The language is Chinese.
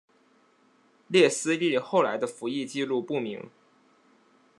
列斯利后来的服役纪录不明。